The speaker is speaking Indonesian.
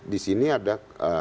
di sini ada